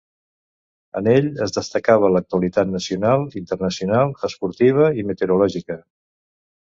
En ell es destacava l'actualitat nacional, internacional, esportiva i meteorològica.